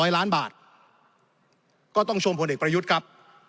ล้านบาทก็ต้องชมผลเอกประยุทธ์ครับ